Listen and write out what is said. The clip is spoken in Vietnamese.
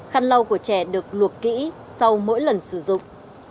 khăn lau của trẻ được luộc kỹ sau mỗi lần sử dụng